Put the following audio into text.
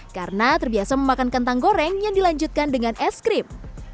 karena terbiasa memakan kentang goreng yang dilanjutkan dengan es krim